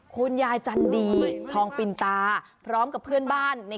คุณยายจันดีทองปินตาพร้อมกับเพื่อนบ้านใน